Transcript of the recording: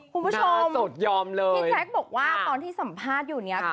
ประชงพี่แจกบอกว่าตอนสัมภาษณ์อยู่ตรงนี้